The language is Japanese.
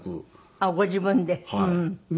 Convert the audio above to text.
あっご自分で。